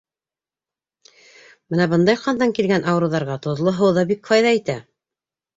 — Бына бындай ҡандан килгән ауырыуҙарға тоҙло һыу ҙа бик файҙа итә.